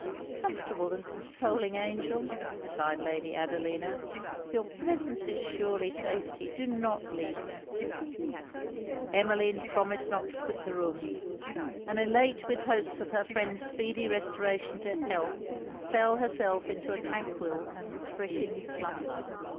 'Comfortable and consoling angel!' sighed Lady Adelina 'your presence is surely safety. Do not leave me!' Emmeline promised not to quit the room; and elate with hopes of her friend's speedy restoration to health, fell herself into a tranquil and refreshing slumber.